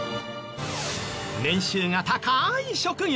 年収が高い職業。